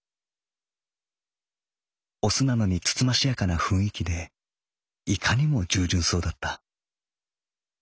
雄なのに慎ましやかな雰囲気でいかにも従順そうだった。